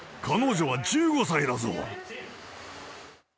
彼女は１５歳だぞ。